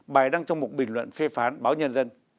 bài đăng trong một bình luận phê phán báo nhân dân